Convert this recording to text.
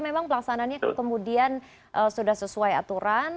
memang pelaksanaannya kemudian sudah sesuai aturan